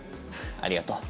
ありがとう。